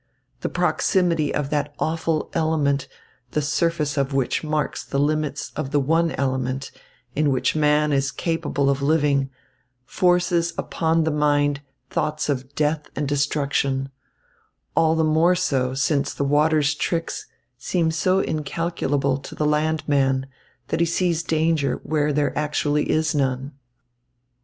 The proximity of that awful element the surface of which marks the limits of the one element in which man is capable of living, forces upon the mind thoughts of death and destruction; all the more so since the water's tricks seem so incalculable to the landman that he sees danger where there actually is none.